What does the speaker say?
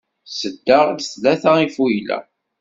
Sseddaɣ-d tlata ifuyla.